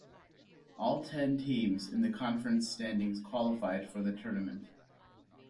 All ten teams in the conference standings qualified for the tournament.